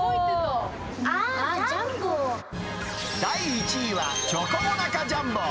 あー、第１位は、チョコモナカジャンボ。